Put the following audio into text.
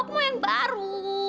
aku mau yang baru